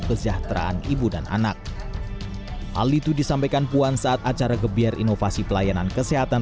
kesejahteraan ibu dan anak hal itu disampaikan puan saat acara gebiar inovasi pelayanan kesehatan